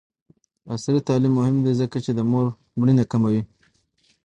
عصري تعلیم مهم دی ځکه چې د مور مړینه کموي.